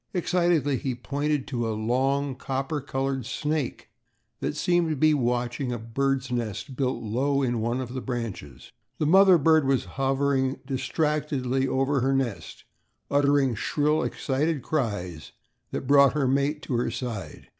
Excitedly he pointed to a long, copper colored snake, that seemed to be watching a bird's nest built low in one of the bushes. The mother bird was hovering distractedly over her nest, uttering shrill, excited cries that brought her mate to her side.